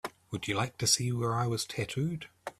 Would you like to see where I was tattooed?